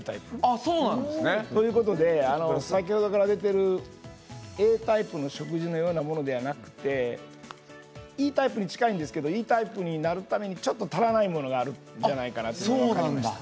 あっそうなんですね。ということで先ほどから出てるＡタイプの食事のようなものではなくてＥタイプに近いんですけどＥタイプになるためにちょっと足らないものがあるんじゃないかなというのが分かりました。